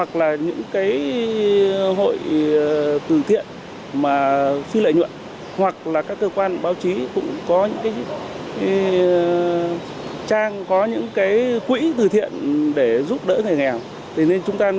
kernel hội từ thiện mà phi lợi nhuận hoặc là các cơ quan báo chí cũng có trang có những cái quỹ từ thiện để giúp đỡ ở mẹ thì thì chúng ta nên